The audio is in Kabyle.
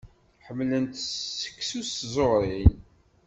Ḥemmlent seksu s tẓuṛin.